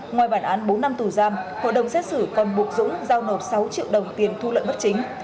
ngoài bản án bốn năm tù giam hội đồng xét xử còn buộc dũng giao nộp sáu triệu đồng tiền thu lợi bất chính